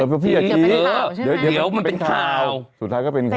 เพื่อพี่อย่าคิดเดี๋ยวมันเป็นข่าวสุดท้ายก็เป็นข่าว